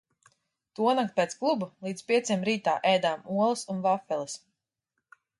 Tonakt pēc kluba līdz pieciem rītā ēdām olas un vafeles.